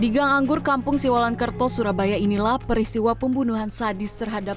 di gang anggur kampung siwalan kerto surabaya inilah peristiwa pembunuhan sadis terhadap